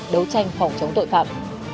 đấu tranh phòng chống tội phạm